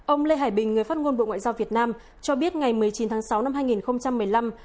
ông lê hải bình người phát ngôn bộ ngoại giao việt nam cho biết ngày một mươi chín tháng sáu năm hai nghìn một mươi năm